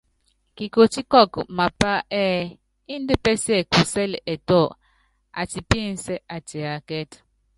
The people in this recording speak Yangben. Kikotí kɔɔkɔ mapá ɛ́ɛ́ índɛ pɛsiɛkusɛl ɛtɔ, atipínsɛ́, atiákɛ́t.